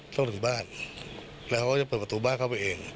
ต้องถึงบ้านแล้วเขาก็จะเปิดประตูบ้านเข้าไปเอง